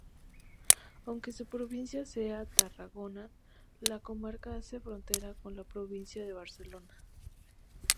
Aunque su provincia sea Tarragona, la comarca hace frontera con la provincia de Barcelona.